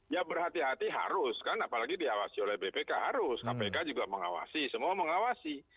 ya berhati hati harus kan apalagi diawasi oleh bpk harus kpk juga mengawasi semua mengawasi